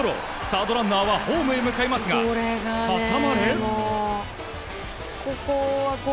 サードランナーはホームへ向かいますが挟まれ。